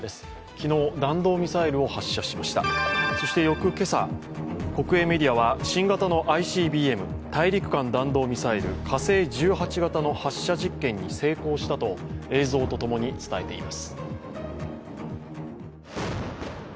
昨日、弾道ミサイルを発射しましたそして翌今朝、国営メディアは新型ＩＣＢＭ＝大陸間弾道ミサイル火星１８型の発射実験に成功したと映像とともに伝えています。